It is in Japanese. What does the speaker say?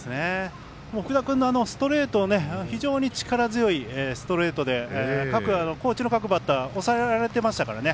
福田君のストレート非常に力強いストレートで高知の各バッター抑えられていましたからね。